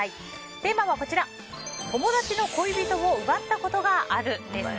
テーマは、友達の恋人を奪ったことがあるです。